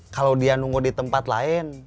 kalau dia nunggu di tempat lain